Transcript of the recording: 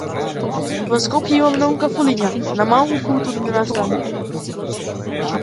Во Скопје има многу кафулиња, но малку културни настани.